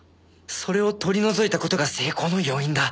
それを取り除いた事が成功の要因だ